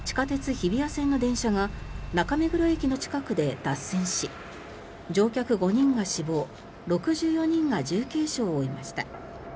日比谷線の電車が中目黒駅の近くで脱線し乗客５人が死亡６４人が重軽傷を負いました。